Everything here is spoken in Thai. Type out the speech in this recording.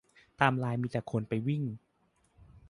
ไทม์ไลน์มีแต่คนไปวิ่ง